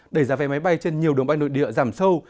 đẩy giá vé máy bay trên nhiều đường bay nội địa giảm sâu